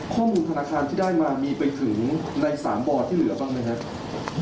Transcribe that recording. ธนาคารที่ได้มามีไปถึงใน๓บอร์ดที่เหลือบ้างไหมครับ